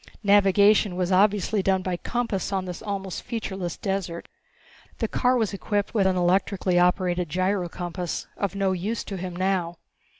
Navigation was obviously done by compass on this almost featureless desert. The car was equipped with an electrically operated gyrocompass, of no use to him now.